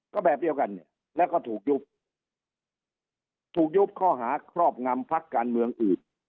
ก็แบบเดียวกันเนี่ยแล้วก็ถูกยุบถูกยุบข้อหาครอบงำพักการเมืองอื่น